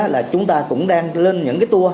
là chúng ta cũng đang lên những cái tour